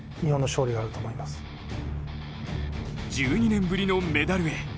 １２年ぶりのメダルへ。